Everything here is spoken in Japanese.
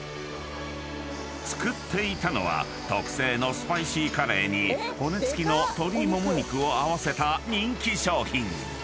［作っていたのは特製のスパイシーカレーに骨付きの鶏もも肉を合わせた人気商品］